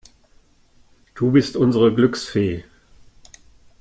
Du bist unsere Glücksfee.